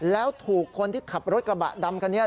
แล้วถูกคนที่ขับรถกระบะดำคันนี้